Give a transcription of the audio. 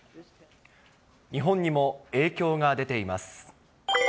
日本にも影響が出ています。